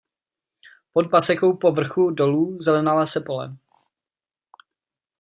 Pod pasekou po vrchu dolů zelenala se pole.